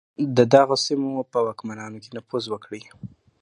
د دغو سیمو په واکمنانو کې نفوذ وکړي.